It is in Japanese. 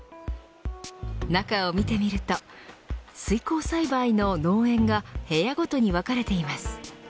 中を見てみると水耕栽培の農園が部屋ごとに分かれています。